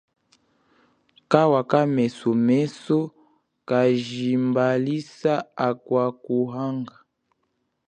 Kawa kamesomeso kajimbalisa akwa kuhanga.